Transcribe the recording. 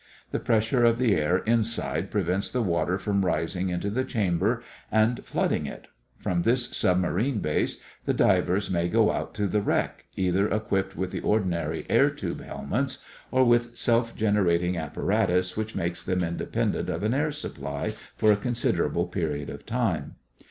The pressure of the air inside prevents the water from rising into the chamber and flooding it. From this submarine base the divers may go out to the wreck, either equipped with the ordinary air tube helmets or with self regenerating apparatus which makes them independent of an air supply for a considerable period of time.